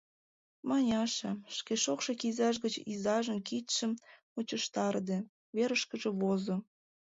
Маняша, шке шокшо кизаж гыч изажын кидшым мучыштарыде, верышкыже возо.